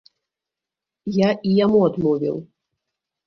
Я і яму адмовіў.